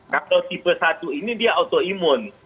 kalau tipe satu ini dia autoimun